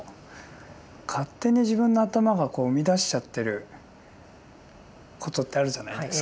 勝手に自分の頭が生み出しちゃってることってあるじゃないですか。